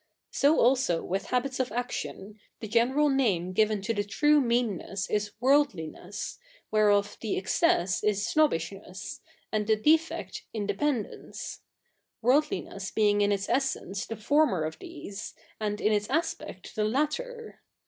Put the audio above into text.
So also ivith habits of action, the getieral na??ie given to the true meanness is worldliness, whereof the excess is snobbishness, and the defect independence : world liness bei?ig in its esse?ice the former of these, and in its aspect the latter.